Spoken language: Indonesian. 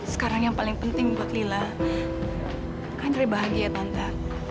sekarang yang paling penting buat lila kanre bahagia tante